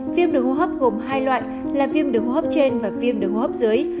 viêm đường hô hấp gồm hai loại là viêm đường hô hấp trên và viêm đường hô hấp dưới